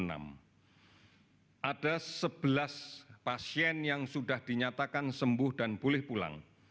ada sebelas pasien yang sudah dinyatakan sembuh dan boleh pulang